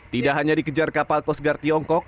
tidak hanya dikejar kapal coast guard tiongkok